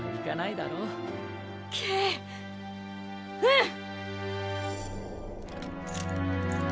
うん！